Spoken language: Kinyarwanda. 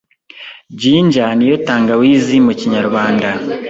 ginger niyo tangawizi mukinyarwanda